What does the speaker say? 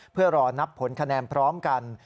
เพื่อรอนับผลคะแนนพร้อมกัน